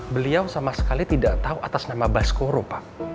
beliau sama sekali tidak tahu atas nama baskoro pak